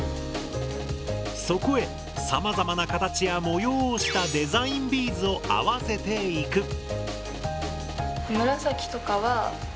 そこへさまざまな形や模様をしたデザインビーズを合わせていく。